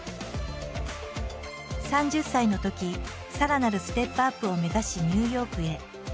３０歳のときさらなるステップアップを目指しニューヨークへ。